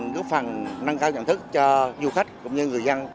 giúp phần nâng cao trang thức cho du khách cũng như người dân